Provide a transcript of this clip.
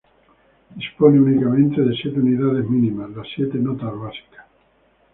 Dispone únicamente de siete unidades mínimas: las siete notas básicas.